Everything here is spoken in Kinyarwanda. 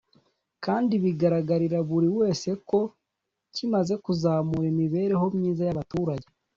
kandi bigaragarira buri wese ko kimaze kuzamura imibereho myiza y’abaturage”